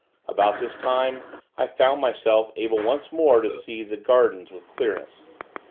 About this time, I found myself, able once more, to see the gardens, with clearness.